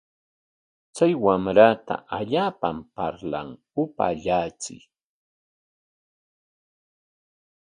Chay wamrata allaapam parlan, upaallachiy.